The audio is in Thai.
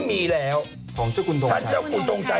มีร้านของเจ้าคุณทรงชัย